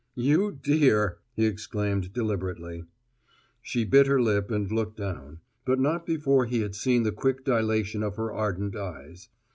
"You dear!" he exclaimed deliberately. She bit her lip and looked down, but not before he had seen the quick dilation of her ardent eyes.